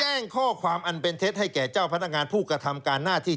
แจ้งข้อความอันเป็นเท็จให้แก่เจ้าพนักงานผู้กระทำการหน้าที่